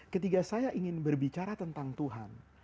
ketika saya ingin berbicara tentang tuhan